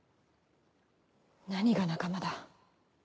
何が仲間だ。